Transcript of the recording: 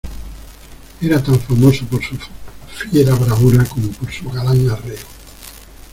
era tan famoso por su fiera bravura como por su galán arreo.